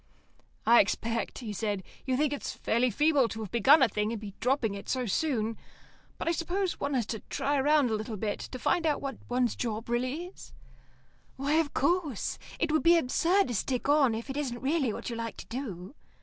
"I expect," he said, "you think it's fairly feeble to have begun a thing and be dropping it so soon. But I suppose one has to try round a little, to find out what one's job really is." "Why, of course. It would be absurd to stick on if it isn't really what you like to do."